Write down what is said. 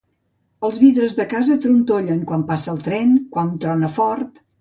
Els vidres de casa trontollen quan passa el tren, quan trona fort.